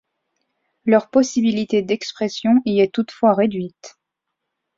Leur possibilité d'expression y est toutefois réduite.